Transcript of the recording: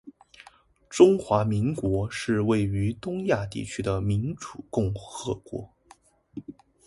中华民国是位于东亚地区的民主共和国